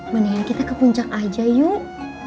mendingan kita ke puncak aja yuk